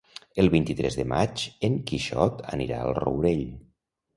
El vint-i-tres de maig en Quixot anirà al Rourell.